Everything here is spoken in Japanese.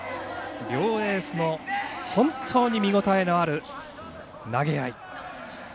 両エースの本当に見応えのある投げ合い。